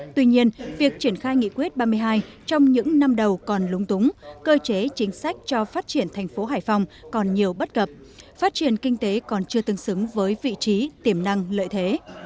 tuy nhiên việc triển khai nghị quyết ba mươi hai trong những năm đầu còn lúng túng cơ chế chính sách cho phát triển thành phố hải phòng còn nhiều bất cập phát triển kinh tế còn chưa tương xứng với vị trí tiềm năng lợi thế